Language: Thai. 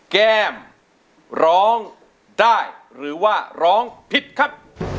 แก้มร้องได้หรือว่าร้องผิดครับ